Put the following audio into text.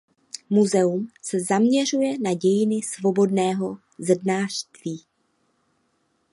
Muzeum se zaměřuje na dějiny svobodného zednářství.